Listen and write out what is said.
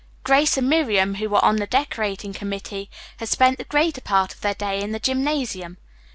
Grace and Miriam, who were on the decorating committee, had spent the greater part of their day in the gymnasium.